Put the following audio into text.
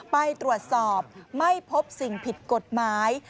ไปตรวจสอบไม่พบสิ่งผิดกฎหมาย